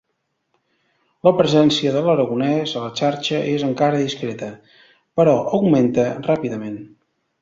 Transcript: La presència de l'aragonès a la xarxa és encara discreta, però augmenta ràpidament.